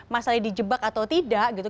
masalahnya di jebak atau tidak gitu